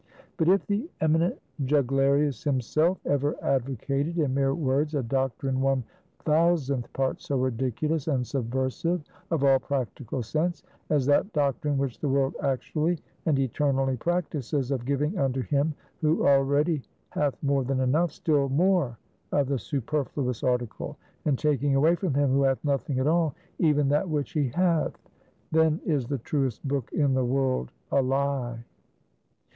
But if the eminent Jugglarius himself ever advocated in mere words a doctrine one thousandth part so ridiculous and subversive of all practical sense, as that doctrine which the world actually and eternally practices, of giving unto him who already hath more than enough, still more of the superfluous article, and taking away from him who hath nothing at all, even that which he hath, then is the truest book in the world a lie.